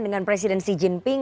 dengan presiden xi jinping